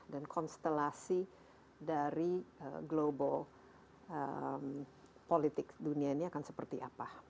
dan konstelasi dari global politics dunia ini akan seperti apa